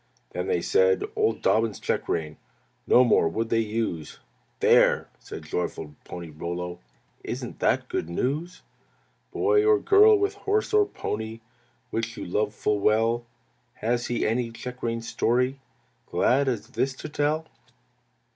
"Then they said, old Dobbin's check rein No more would they use! There!" said joyful Pony Rollo, "Isn't that good news?" Query Boy or girl with horse or pony Which you love full well, Has he any check rein story Glad as this to tell?